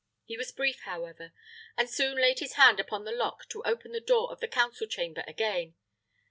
He was brief, however, and soon laid his hand upon the lock to open the door of the council chamber again.